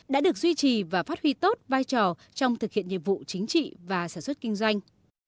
đã được duy trì và phát huy tốt vai trò trong thực hiện nhiệm vụ chính trị và sản xuất kinh doanh